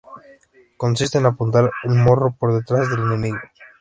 Consiste en apuntar el morro por detrás del enemigo.